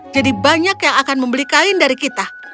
jadi banyak yang akan membeli kain dari kita